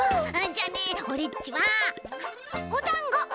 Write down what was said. じゃあねオレっちはおだんごください。